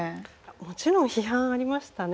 もちろん批判ありましたね。